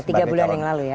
oke tiga bulan yang lalu ya